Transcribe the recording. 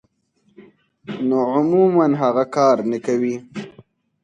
نو عموماً هغه کار نۀ کوي -